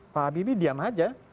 pak habibie diam aja